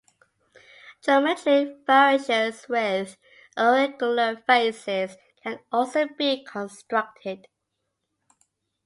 Geometric variations with irregular faces can also be constructed.